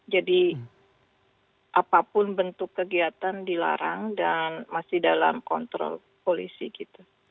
jadi apapun bentuk kegiatan dilarang dan masih dalam kontrol polisi gitu